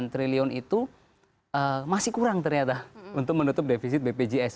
delapan triliun itu masih kurang ternyata untuk menutup defisit bpjs